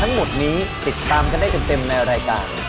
ทั้งหมดนี้ติดตามกันได้เต็มในรายการ